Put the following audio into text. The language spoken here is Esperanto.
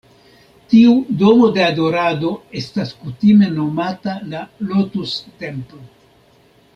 Tiu "Domo de Adorado" estas kutime nomata la "Lotus-Templo".